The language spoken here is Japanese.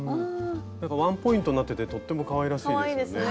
なんかワンポイントになっててとってもかわいらしいですね。